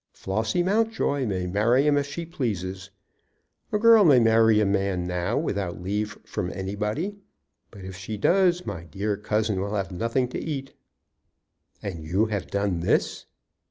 Flossy Mountjoy may marry him if she pleases. A girl may marry a man now without leave from anybody. But if she does my dear cousin will have nothing to eat." "And you have done this?"